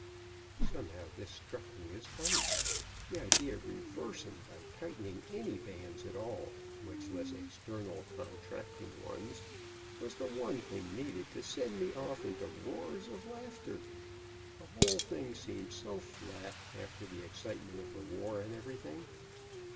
Somehow this struck me as funny. The idea of reversing by tightening any bands at all, much less external contracting ones, was the one thing needed to send me off into roars of laughter. The whole thing seemed so flat, after the excitement of the war, and everything.